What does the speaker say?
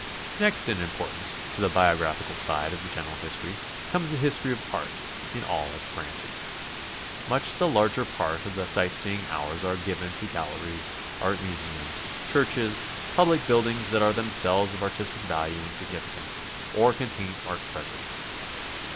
Next in importance to the biographical side of general history, comes the history of art, in all its branches. Much 254 GOING ABROAD? the larger par>t of the sight seeing hours are given to gal leries, art museums, churches, public buildings that are them selves of artistic value and significance, or contain art treas ures.